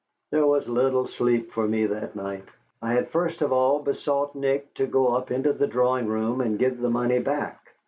There was little sleep for me that night. I had first of all besought Nick to go up into the drawing room and give the money back.